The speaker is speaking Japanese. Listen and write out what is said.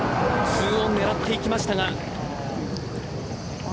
２オン狙っていきましたが。